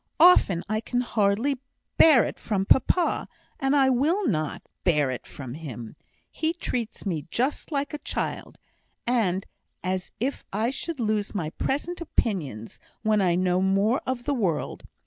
Often I can hardly bear it from papa, and I will not bear it from him. He treats me just like a child, and as if I should lose all my present opinions when I know more of the world.